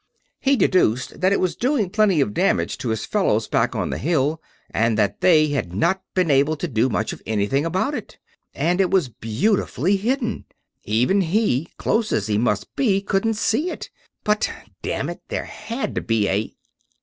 He deduced that it was doing plenty of damage to his fellows back on the hill, and that they had not been able to do much of anything about it. And it was beautifully hidden; even he, close as he must be, couldn't see it. But damn it, there had to be a....